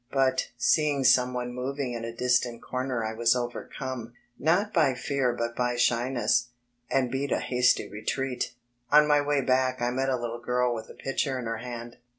But, seeing some one moving in a distant comer I was overcome, not by fear but by shyness, and beat a hasty retreat. On my way bock I met a tittle girl with a pitcher in her hand.